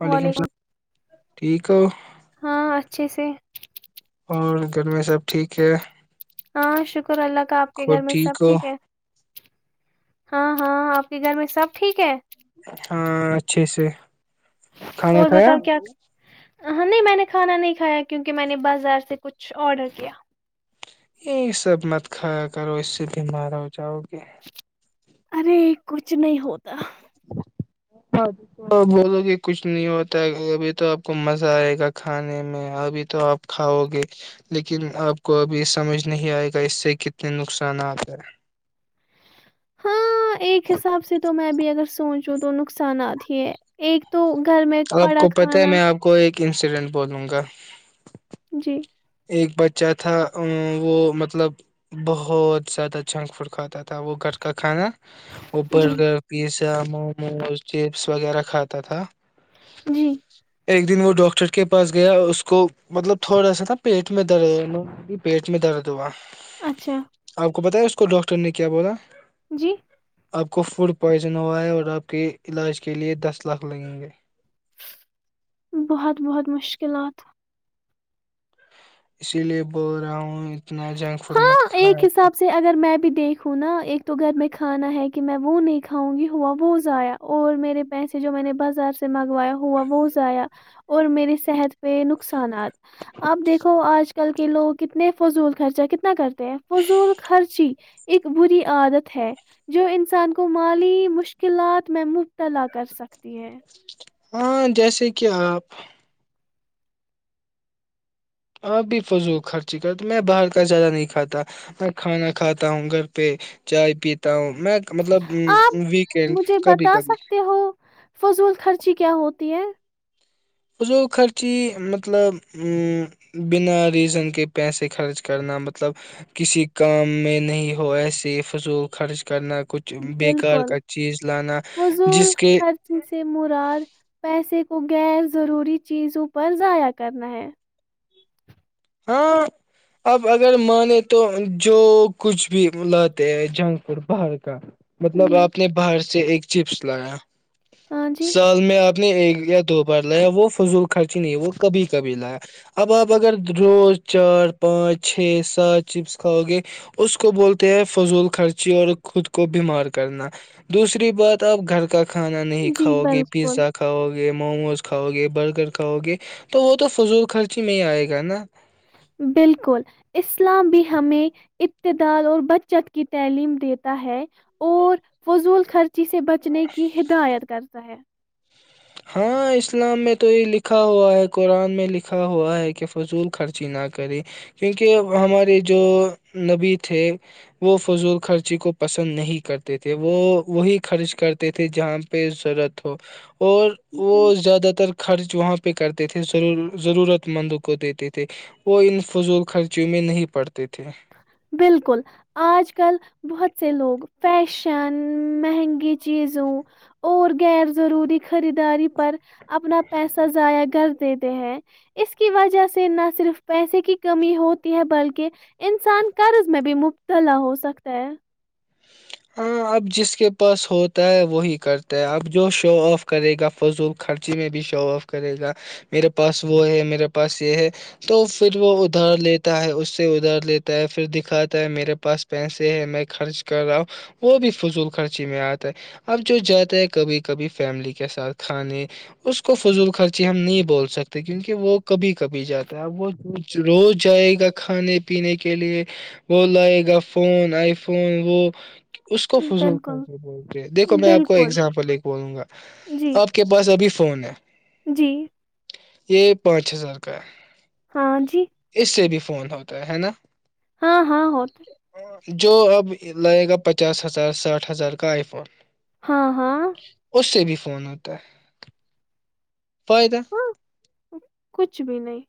وعلیکم اللام ٹھیک ہو چسے اور گھر میں سب ٹھیک ہے ہاں شک شکر اللہ کا آپ کے گھر خود میں سب ہو ٹھیک ہے ہاں ہاں آپ کے گھر میں سب ٹھیک ہے ہاں اچھا سے کھانا اور کھایا بتاؤ کیا ہاں نہیں میں نے کھانا نہیں کھایا کیونکہ میں نے بازار سے کچھ آڈر کیا یہ سب مت کھایا کرو اس سے بیمار ہو جاؤ اک ارے کچھ کچ نہیں ہوتا ہاں تو بولو گے کچھ نہیں ہوتا ہے ابھی تو آپ کو مزہ آئے گا کھانے میں ابھی تو آپ کھاؤ گے لیکن آپ کو ابھی سمجھ نہیں آئے گا اس سے کتنے نقصانات ہے ہاں ایک حساب سے تو میں بھی اگر سوچ جو تو نقصانات ہی ایک تو گھر میں آپ پڑا کو پتہ ہے کھانا میں آپ کو ایک انسیڈنٹ بولوں گا جی ایک بچہ تھا وہ مطلب بہت زیادہ جھنک فوڈ کھاتا تھا وہ گھر کا کھانا اوپر جی کا پیس موموز چپس وغیرہ کھاتا تھا جی ایک دن وہ ڈاکٹر کے پاس گیا اس کو مطلب تھوڑا سا تھاب پیٹ میں درد ہے پیٹ میں درد ہوا اچھا بتایا اس کو ڈاکٹر نے کیا بولا جی آپ کو فوڈ پوائزن ہوا ہے اور آپ کے علاج کے لیے دس لاکھ لگیں گے بہت بہت مشکلات اسی لیے بول رہا ہوں اتنا جنک فوڈ مت ہاں کھایا ایک حساب سے اگر میں بھی دیکھوں نا ایک تو گھر میں کھانا ہے کہ میں وہ نہیں کھاؤں گی ہوا وہ ضایا اور میرے پیسے جو میں نے بازار سے منگایا ہوا وہ ضایا اور میری صحت پہ نقصان انات آپ دیکھو آج کل کے لوگ کتنے فضول خرچہ کتنا کر تے فضول خرچی ایک بری عادت ہے جو انسان کو مالی مشکلات میں مبتلا کر سک رتی ہے ہاں جیسے کہ آپ آپ بھی فضول خرچی کر میں باہر کا زیادہ نہیں کھاتا میں کھانا کھاتا ہوں گھر پہ چائے پیتا ہوں میں مطلب آپ ویکینڈ مجھے کبھی بتا کبھی سکتے ہو فضول خرچی [unintelligible] فضول خرچی مطلب ا بنا ریزن کے پیسے خرچ کرنا مطلب کسی کام میں نہیں ہو ایسے فضول خرچ کرنا کچھ بیکار بالکل کا چیز لانا فضول جس کے خرچی سے مراد پیسے کو گغیر ضروری چیزوں پر ضائع کرنا ہے ہاں اب اگر مانے تو جو کچھ بھی لاتے ہیں جنک فڈ باہر کا مطلب جی، آپ نے باہر سے سے ایک چپس لایا ہاں جی، سال میں آ نے ایک یا دو بار لایا وہ فضول خرچی نہیں وہ کبھی کبھی لایا اب آپ اگر روز چار پانچ چھ سات چپس کھاؤ گے اس کو بولتے ہیں فضول خرچی اور خود کو بیمار کرنا دوسری بات آپ گھر کا کھانا نہیں جی کھاؤ گے بالکل، پیزا کھاؤ گے گ موموز کھاؤ گے برگر کھاؤ گے تو وہ تو فضول خرچی میں ہی آئے گا نا بالکل اسلام بھی ہمیں ابتدال اور بچت کی تعلیم دیتا ہے اور فضول خرچ جسے بچنے کی ہدایت کرتا ہے ہاں اسلام میں تو یہ لکھا ہوا ہے قرآن میں لکھا ہوا ہے کہ فضول خرچی نہ کرے کیونکہ ہمارے جو نبی تھے وہ فضول خرچی کو پسند نہیں کرتے تھے وہ وہی خرچ کرتے تھے جہاں پہ ضرورت ہو اور وہ بالکل۔ زیادہ تر خرچ وہاںہ پہ کرتے تھے ضرورت مند کو دیتے تھے وہ ان فضول خرچی میں نہیں پڑتے تھے بالکل آج کل بہت سے لوگ فیشن مہنگی چیزوں اور غیر ضروری خریداری پر اپنا پیسہ ضائع کر دیتے ہیں اس کی وجہ سے نہ صرف پیسے کی کمی ہوتی ہے بلکہ انسان قرض میں بھی مبتلا ہو سکتا ہے ہاں اپ جس کے پاس ہوتا ہے وہی کرتا ہے اب جو شو اف کرے گا فضول خرچی میں بھی شو اف کرے گا میرے پاس وہ ہے میرے پاس یہ ہے تو پھر وہ ادھار لیتا ہے اس سے ادھار لیتا ہے پھر دکھاتا ہے میرے پاس پیسے ہے میں خرچ کر رہا ہوں وہ بھی فضول خرچی میں آتا ہے اب جو جاتا ہے کبھی کبھی فیملی کے ساتھ کھانے اس کو فضول خرچی ہم نہیں بول سکتے کیونکہ وہ کبھی کبھی جاتا ہے اب وہ روز جائے گا کھانے پینے کے لیے وہ لائے گا فون آئی فون وہ اس کو فضول بالکل ب دیکھو میں آپ کو بالکل ایگزامپل ایک بولوں گا جی آپ کے پاس ابھی [inaudible] جی یہ پانچ ہزار کا ہاں جی ہے اس سے بھی فون ہوتا ہے ہے نا ہاں ہاں ہوتے جو اب لگے گا پچ پچاس ہزار ساٹھ ہزار کا آئی فون ہاں ہاں اس سے بھی فون ہوتا فائدہ ہاں کچھ بھی نہیں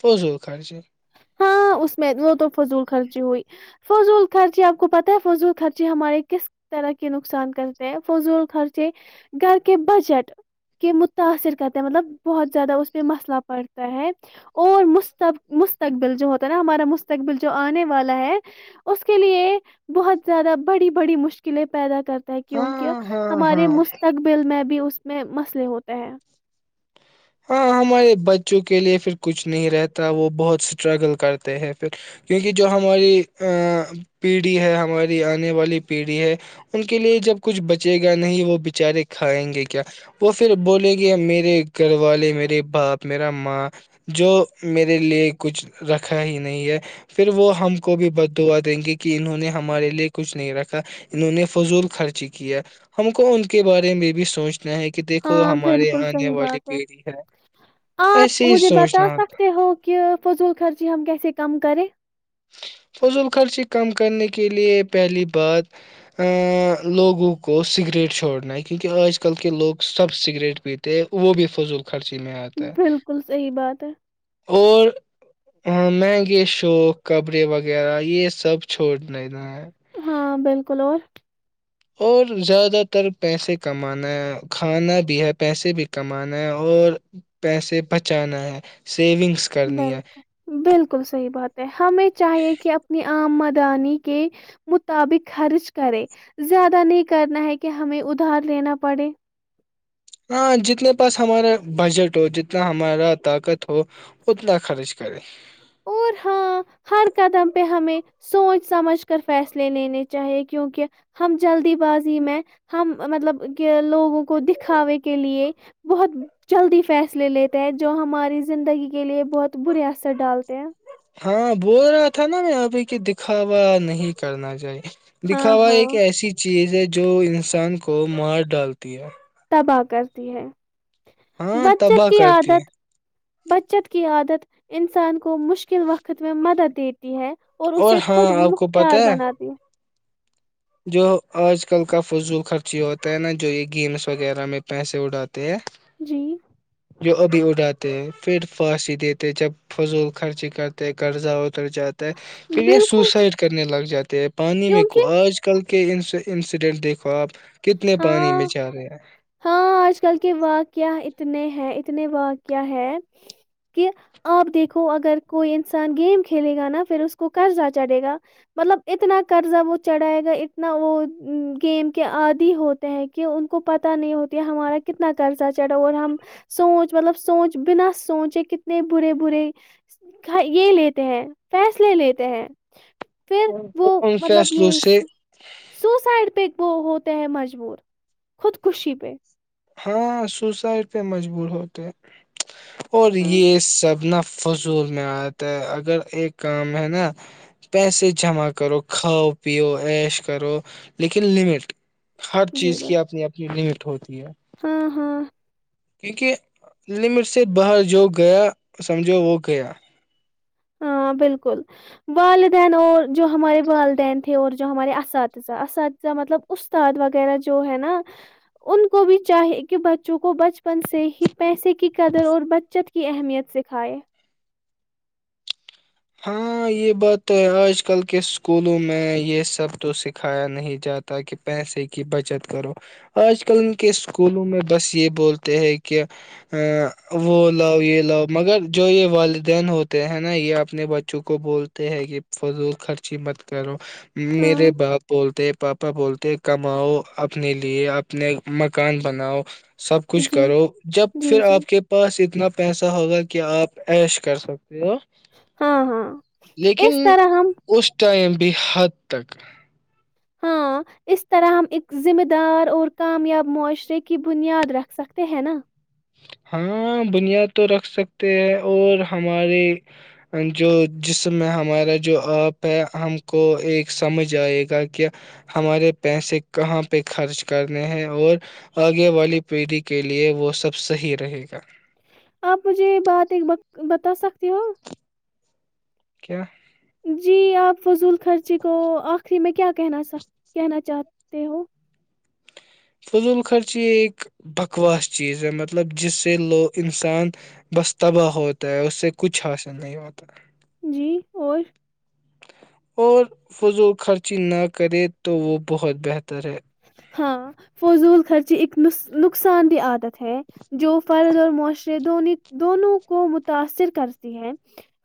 س سو خر سے ہاں اس میں وہ تو فضول خرچی ہوئی فضول خرچے آپ کو پتہ ہے فضول خرچے ہمارے کس طرح کے نقصان کرتے ہیں فضول خرچے گھر کے بجٹ کے متاثر کرتے ہیں مطلب بہت زیادہ اس پہ مسئلہ پڑتا ہے اور مستب مستقبل جو ہوتا ہے نا ہمارا مستقبل جو آنے والا ہے اس کے لیے بہت زیادہ بڑی بڑی مشکلیں پیدا کرتا ہے کیونکہ ہاں ہاں ہمارے ہاں مستقبل میں بھی اس میں مسئلے ہوتے ہیں ہاں ہمارے بچوں کے لیے پھر کچھ نہیں رہتا وہ بہت اسٹرگل کرتے ہیں پھر کیونکہ جو ہماری پیڑھی ہے ہماری آنے والی پیڑھی ہے ان کے لیے جب کچھ بچے گا نہیں وہ بچارے کھائیں گے کیا وہ پھر بولے گی میرے گھر والے میرے باپ میرا ماں جو میرے لیے کچھ رکھا ہی نہیں ہے پھر وہ ہم کو بھی بد دعا دیں گے کہ انہوں نے ہمارے لیے کچھ نہیں رکھا انہوں نے فضول خرچی کیا ہم کو ان کے بارے میں بھی سوچ نا ہے کہ دیکھو ہاں ہمارے بالکل آنے صحیح والے بات آپ مجھے بتا سوچنا ہوتا سکتے ہو کہ فضول خرچی ہم کیسے کم کریں فضول خرچی کم کرنے کے لیے پہلی بات ا لوگوں کو سگریٹ چھوڑنا ہے کیونکہ آج کل کے لوگ سب سگریٹ پیتے وہ بھی فضول خرچی میں آتا ہے بالکل صحیح بات ہے اور ہاں م گ شوق کپرے وغیرہ یہ سب چھوڑ دا ہاں کلور [unintelligible] اور زیادہ تر پیسے کمانا ہے کھانا بھی ہے پیسے بھی کمانا ہے اور پیسے بچانا ہے سیونگس کرنی ہے بالکل بالکل صحیح بات ہے ہمیں چاہیے کہ اپنی آمد انی کے مطابق خرچ کرے زیادہ نہیں کرنا ہے کہ ہمیں ادھار لینا پڑے ہاں جتنے پاس ہمارا بجٹ ہو جتنا ہمارا طاقت ہو اتنا خرچ کرے اور ہاں ہر قدم پہ ہمیں سوچ سمجھ کر فیصلے لینے چاہیے کیونکہ ہم جلدی بازی میں ہم مطلب کہ لوگوں کو دکھاوے کے لیے بہت جلدی فیصلے لیتے ہیں جو ہماری زندگی کے لیے بہت برے اثر ڈالتے تے [inaudible] ہاں بول رہا تھا نا میں ابھی کی دکھاوا نہیں کرنا چاہیے لکھا ہاں ہوا ہاں ایک ایسی چیز ہے [unintelligible] جو انسان کو مار ڈالتی ہے آ کرتی ہے [unintelligible] ہاں بچت تباہ کی کرتی ہے عادت بچت کی عادت انسان کو مشکل وقت میں مدد دیتی ہے اور اسے ہاں خود آپ کو پتہ مختار ہے بنا دیا جو آج کل کا فضول خرچی ہوتا ہے نا جو یہ گیمس وغیرہ میں پیسے اڑاتے ت ہے جی [unintelligible] جو ابھی اڑاتے ہیں پھر پھانسی دیتے جب فضول خرچی کرتے قرضہ ہو جاتا ہے پھر یہ بالکل سوسائڈ کرنے لگ جاتے ہیں پانی میں کو کیونکہ آج کے کے انسیڈنٹ دیکھو آپ کتنے پانی ہاں میں چا رہے ہیں ہاں آج کل کے واقع اتنے ہیں اتنے واقع ہے کہ آپ دیکھو اگر کوئی انسان گیم کھیلے گا نا پھر اس کو قرضہ چڑھے گا مطلب اتنا قرضہ وہ چڑھائے گا اتنا وہ گیم کے عادی ہوتے ہیں کہ ان کو پت نہیں ہوتا ہمارا کتنا قرضہ چڑھا اور ہم سوچ مطلب سوچ بنا سوچ کتنے برے برے یہ لیتے ہیں فیصلے لیتے ہیں پھر اور وہ پھر ان مطلب فیصلوں یہ سے سوسائڈ پہ وہ ہوتا مجبور خود کوشی پ ہاں سوسائڈ پہ مجبور ہوتے اور ہاں یہ سبنا [unintelligible] فضول میں آتا ہے اگر ایک کام ہے نا پیسے جمع کرو کھاؤ پیو ایش کرو لیکن لمٹ ہر جی چیز بس کی اپنی اپنی لمٹ ہوتی ہے ہاں ہاں کیونکہ لمٹ سے باہر جو گیا سمجھو وہ گیا ہاں بالکل والدین اور جو ہمارے والدین تھے اور جو ہمارے اساتذہ اساتذہ مطلب استاد وغیرہ جو ہے نا ان کو بھی چاہی کہ بچوں کو بچ سے ہی پیسے کی قدر اور بچت کی اہمیت سکھائے ہاں یہ بات تو ہے آج کل کے اسکولوں میں یہ سب تو سکھایا نہیں جاتا کہ پیسے کی بچت کرو آج کل کے اسکولوں میں بس یہ بولتے ہیں کہ وہ لاو یہ لو مگر جو یہ والدین ہوتے ہیں نا یہ اپنے بچوں کو بولتے ہیں کہ فضول خرچی مت کرو [unintelligible] میرے ہاں باپ بولتے [unintelligible] پاپا بولتے ہیں کماؤ اپنے لیے اپنے مکان بناؤ [unintelligible] سب کچھ جی کرو جب جی پھر جی آپ کے پاس اتنا پیسہ ہوگا کہ آپ ایش کر سکتے [unintelligible] ا [unintelligible] ہاں ہاں لیکن اس طرح ہم اس ٹائم بھی ہر [unintelligible] پ تک [unintelligible] ہاں اس طرح ہم ایک ذمہ دار اور کامیاب معاشرے کی بنیاد رکھ سکتے ہیں نا ہاں بنیاد تو رکھ سکتے ہیں اور ہمارے جو جسم میں ہمارا جو آپ ہے ہم کو ایک سمجھ آئے گا کہ ہمارے پیسے کہاں پہ خرچ کرنے ہیں اور آگے والی پیڑھی کے لیے وہ سب صحیح رہے گا [unintelligible] آپ مجھے یہ بات ایک ب بتا سکتی ہو کیا جی آپ [unintelligible] فضول [unintelligible] خرچی کو ا [unintelligible] پ میں کیا کہنا س کہنا چاہتے ہوں [unintelligible] [unintelligible] جی اور [unintelligible] اور فضول خرچی نہ کرے تو وہ بہت بہتر ہے ہاں [unintelligible] فضول خرچی اک ن نقصان دہ عادت ہے جو [unintelligible] فرد اور معاشرے د دونوں کو متاثر کرتی ہیں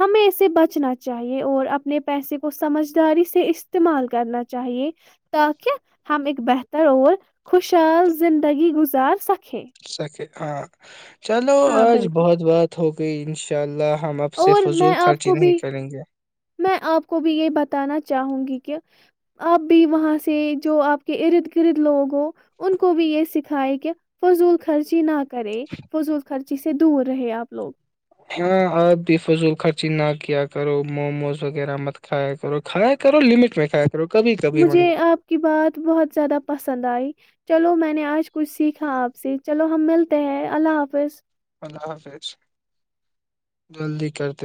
ہمیں اسے بچنا چاہیے اور اپنے پیسے کو سمجداری سے استعمال کرنا چاہیے تاکہ [unintelligible] ہم اک بہتر اور خوشحال زندگی گزار سکیں [unintelligible] س کہے ہ [unintelligible] چلو ہاں آج بالکل بہت بات ہوگی [unintelligible] پ انشاء اللہ [unintelligible] اور فضول میں آپ خرچی کو نہیں بھی کریں گے میں آپ کو بھی یہ بتا بتانا چاہوں گی کہ آپ بھی وہاں سے جو آپ کے ارد گرد لوگ ہو ان کو بھی یہ سکھائے کہ فضول خرچی نہ [unintelligible] کرے فضول خرچی سے [unintelligible] سے دور رہے آپ لوگ [unintelligible] ہاں آپ بھی فضول خرچی نہ کیا کرو موموز وغیرہ مت کھایا کرو کھایا کرو لمٹ میں کھایا کرو کبھی کبھی مجھے منگواؤ آپ کی بات بہت زیادہ پسند آئی چلو میں نے آج کچھ سیکھا آپ سے چلو ہم ملتے ہیں اللہ حافظ [unintelligible] اللہ حافظ جلدی کرتے [unintelligible]